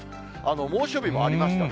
猛暑日もありましたね。